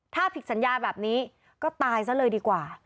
ถ้าผิดสัญญาแบบนี้ก็ตายซะเลยดีกว่า